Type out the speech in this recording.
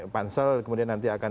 pansel kemudian nanti akan